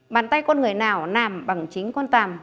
bàn tay con người nào nằm bằng chính con tầm